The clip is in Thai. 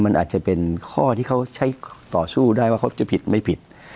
มันอาจจะเป็นข้อที่เขาใช้ต่อสู้ได้ว่าเขาจะผิดไม่ผิด